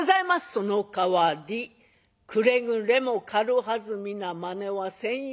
「そのかわりくれぐれも軽はずみなまねはせんように。